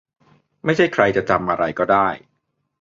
ไม่ใช่ใครจะทำอะไรก็ได้